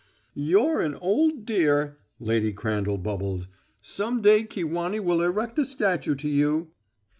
"You're an old dear!" Lady Crandall bubbled. "Some day Kewanee will erect a statue to you."